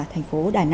thành phố đài nẵng